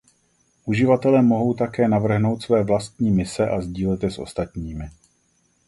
Uživatelé mohou také navrhnout své vlastní mise a sdílet je s ostatními.